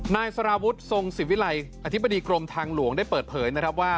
นายสารวุฒิทรงสิวิลัยอธิบดีกรมทางหลวงได้เปิดเผยนะครับว่า